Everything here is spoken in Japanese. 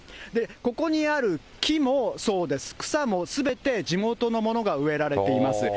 ここにある木もそうです、草もすべて地元のものが植えられています。